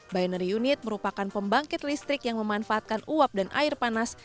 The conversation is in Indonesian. binary unit merupakan pembangkit listrik yang memanfaatkan uap dan air panas